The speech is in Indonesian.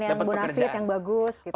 dapat pekerjaan yang bagus gitu